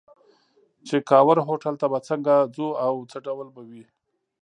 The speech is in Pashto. چې کاوور هوټل ته به څنګه ځو او څه ډول به وي.